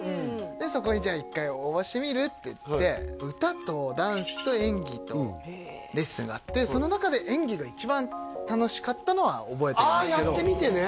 でそこにじゃあ１回応募してみる？って言って歌とダンスと演技とレッスンがあってその中で演技が一番楽しかったのは覚えてますけどああやってみてね